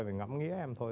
và ngắm nghĩa em thôi